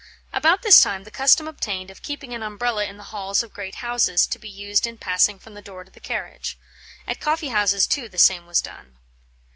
About this time the custom obtained of keeping an Umbrella in the halls of great houses, to be used in passing from the door to the carriage. At coffee houses, too, the same was done.